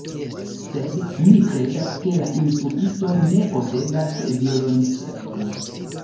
Sed mi kredas, ke la instruisto ne posedas violonĉelon.